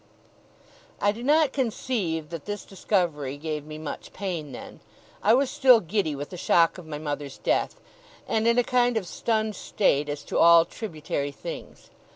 I do not conceive that this discovery gave me much pain then. I was still giddy with the shock of my mother's death, and in a kind of stunned state as to all tributary things.